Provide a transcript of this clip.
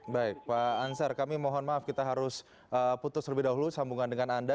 baik pak ansar kami mohon maaf kita harus putus lebih dahulu sambungan dengan anda